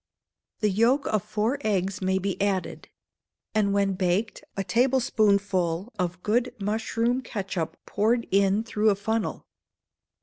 The yolks of four eggs may be added; and when baked, a tablespoonful of good mushroom ketchup poured in through a funnel.